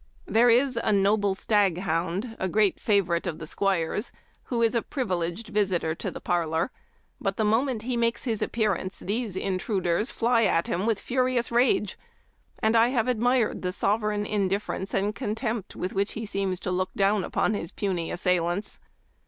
There is a noble stag hound, a great favorite of the squires, who is a privileged visitor to the parlor ; but the mo ment he makes his appearance these intruders fly at him with furious rage, and I have admired the sovereign indifference and contempt with which he seems to look down upon his puny 8 114 Memoir of Washington Irving. assailants.